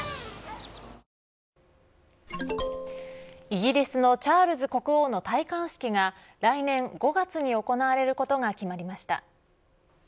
イギリスのチャールズ国王の戴冠式が来年５月に行われることが決まりました。